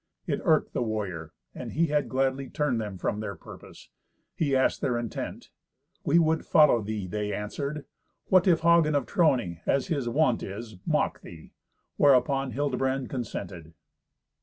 It irked the warrior, and he had gladly turned them from their purpose. He asked their intent. "We would follow thee," they answered. "What if Hagen of Trony, as his wont is, mock thee?" Whereupon Hildebrand consented.